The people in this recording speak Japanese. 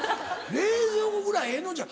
冷蔵庫ぐらいええのんちゃう？